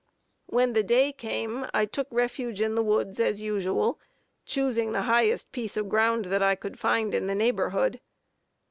When the day came I took refuge in the woods as usual, choosing the highest piece of ground that I could find in the neighborhood.